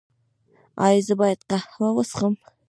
ایا زه باید قهوه وڅښم؟